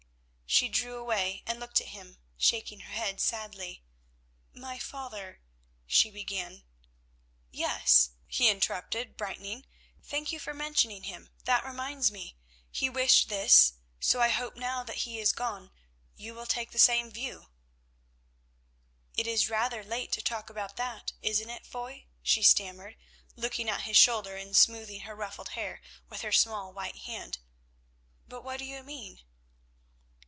She drew away and looked at him, shaking her head sadly. "My father," she began—— "Yes," he interrupted brightening, "thank you for mentioning him, that reminds me. He wished this, so I hope now that he is gone you will take the same view." "It is rather late to talk about that, isn't it, Foy?" she stammered, looking at his shoulder and smoothing her ruffled hair with her small white hand. "But what do you mean?"